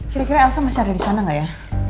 kira kira elsa masih ada di sana nggak ya